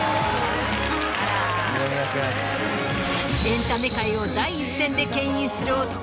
エンタメ界を第一線で牽引する男。